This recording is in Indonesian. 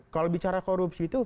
kalau bicara korupsi itu